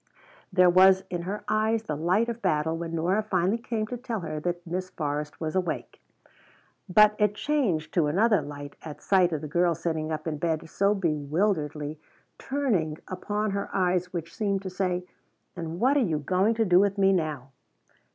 There was in her eyes the light of battle when Nora finally came to tell her that Miss Forrest was awake. But it changed to another light at sight of the girl sitting up in bed so bewilderedly, turning upon her eyes which seemed to say "And what are you going to do with me now?"